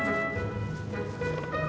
gak cukup pulsaanya